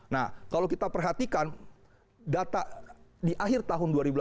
nah kalau kita perhatikan data di akhir tahun dua ribu delapan belas